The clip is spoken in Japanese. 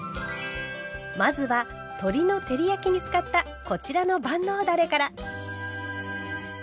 まずは鶏の照り焼きに使ったこちらの万能だれから。